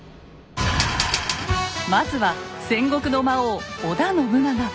まずは戦国の魔王織田信長。